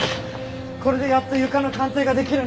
これでやっと床の鑑定が出来るね。